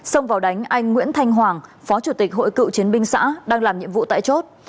xông vào đánh anh nguyễn thanh hoàng phó chủ tịch hội cựu chiến binh xã đang làm nhiệm vụ tại chốt